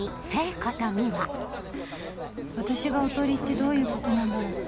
私がおとりってどういうことなんだろう